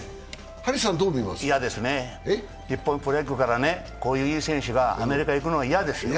嫌ですね、日本プロ野球からこういういい選手がアメリカへ行くのは嫌ですよ。